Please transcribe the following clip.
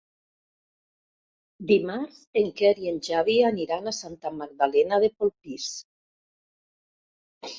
Dimarts en Quer i en Xavi aniran a Santa Magdalena de Polpís.